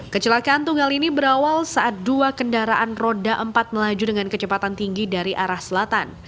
kecelakaan tunggal ini berawal saat dua kendaraan roda empat melaju dengan kecepatan tinggi dari arah selatan